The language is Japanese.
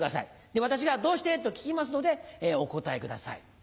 で私が「どうして？」と聞きますのでお答えください。